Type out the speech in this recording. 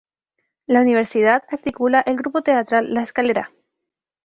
La universidad articula el grupo teatral La Escalera.